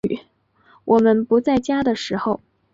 我们不在家的时候